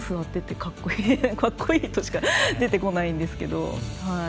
かっこいいとしか出てこないんですけど。